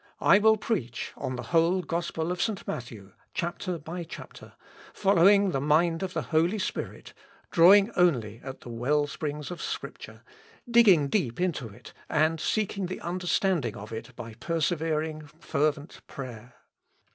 I will preach on the whole gospel of St. Matthew, chapter by chapter, following the mind of the Holy Spirit, drawing only at the well springs of Scripture, digging deep into it, and seeking the understanding of it by persevering fervent prayer.